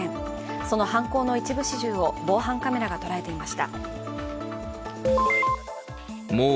その犯行の一部始終を防犯カメラが捉えていました。